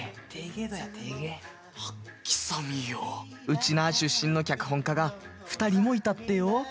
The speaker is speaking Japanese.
ウチナー出身の脚本家が２人もいたってよ。